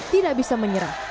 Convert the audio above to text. tidak bisa menyerah